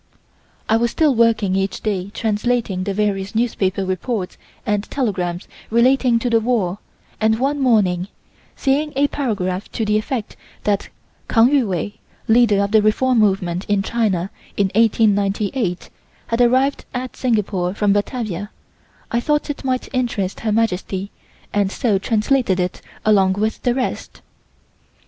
I was still working each day translating the various newspaper reports and telegrams relating to the war and one morning, seeing a paragraph to the effect that Kang Yu Wei (Leader of the Reform Movement in China in 1898) had arrived at Singapore from Batavia, I thought it might interest Her Majesty and so translated it along with the rest.